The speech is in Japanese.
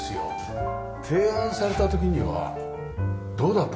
提案された時にはどうだったんですか？